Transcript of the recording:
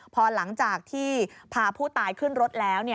พอหลังจากที่พาผู้ตายขึ้นรถแล้ว